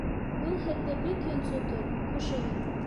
Был һеҙҙе бик йонсотор. Хушығыҙ